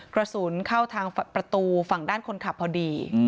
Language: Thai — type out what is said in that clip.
กระสุนเข้าทางประตูฝั่งด้านคนขับพอดี